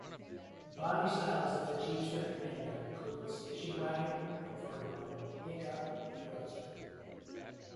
Body styles of the Jeepster Commando included station wagon, convertible, pickup, and roadster.